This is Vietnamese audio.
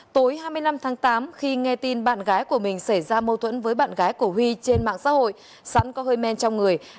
tối hai mươi năm tháng tám khi nghe tin bạn gái của mình xảy ra mâu thuẫn với bạn gái của huy trên mạng xã hội